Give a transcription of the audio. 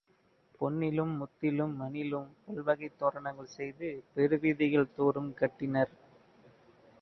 பொன்னிலும் முத்திலும் மணியிலும் பல்வகைத் தோரணங்கள் செய்து பெரு வீதிகள் தோறும் கட்டினர்.